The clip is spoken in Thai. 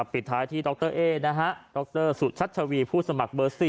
ปิดท้ายที่ดรเอ๊นะฮะดรสุชัชวีผู้สมัครเบอร์๔